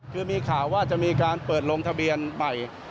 คือมีข่าวว่าจะมีการเปิดลงทะเบียนใหม่